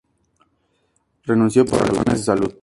Renunció por razones de salud.